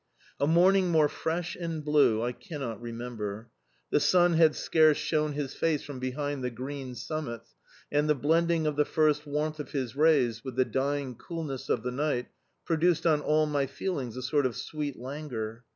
A morning more fresh and blue I cannot remember! The sun had scarce shown his face from behind the green summits, and the blending of the first warmth of his rays with the dying coolness of the night produced on all my feelings a sort of sweet languor.